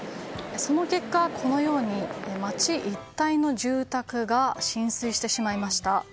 その結果、このように街一帯の住宅が浸水してしまいました。